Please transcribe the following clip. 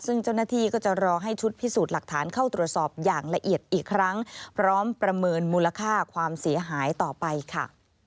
ซึ่งเจ้าหน้าที่ก็จะรอให้ชุดพิสูจน์หลักฐานเข้าตรวจสอบอย่างละเอียดอีกครั้งพร้อมประเมินมูลค่าความเสียหายต่อไปค่ะ